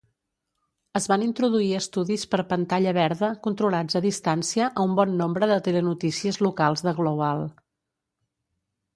Es van introduir estudis per pantalla verda controlats a distància a un bon nombre de telenotícies locals de Global.